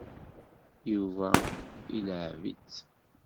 Yuba ileεεeb-itt.